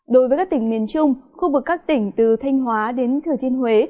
đối với các tỉnh miền trung khu vực các tỉnh từ thanh hóa đến thừa thiên huế